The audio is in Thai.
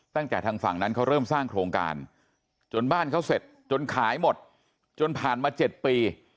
ตั้งแต่ทางฝั่งนั้นเขาเริ่มสร้างโครงการจนบ้านเขาเสร็จจนขายหมดจนผ่านมา๗ปี